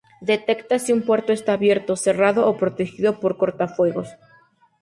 Detecta si un puerto está abierto, cerrado, o protegido por un cortafuegos.